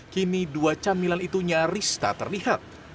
kini dua camilan itunya rista terlihat